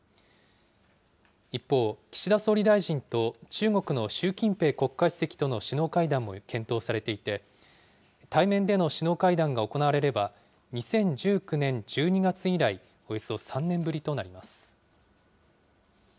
一方、岸田総理大臣と中国の習近平国家主席との首脳会談も検討されていて、対面での首脳会談が行われれば、２０１９年１２月以来、およそ３年ぶりとなります。